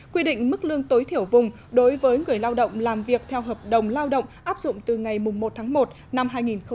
quy định mức lương tối thiểu vùng đối với người lao động làm việc theo hợp đồng lao động áp dụng từ ngày một tháng một năm hai nghìn hai mươi